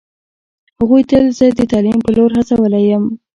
هغوی تل زه د تعلیم په لور هڅولی یم